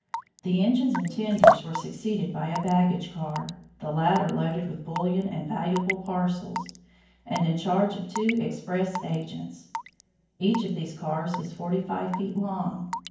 The engines and tenders were succeeded by a baggage car, the latter loaded with bullion and valuable parcels, and in charge of two "express agents." Each of these cars is forty five feet long.